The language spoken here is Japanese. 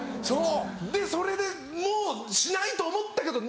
でそれでもうしない！と思ったけど。